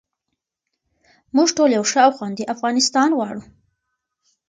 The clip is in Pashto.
موږ ټول یو ښه او خوندي افغانستان غواړو.